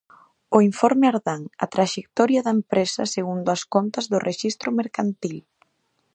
O informe Ardán: a traxectoria da empresa segundo as contas do rexistro mercantil.